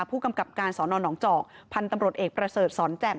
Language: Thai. ผู้กำกับการสอนอนหนองจอกพันธุ์ตำรวจเอกประเสริฐสอนแจ่ม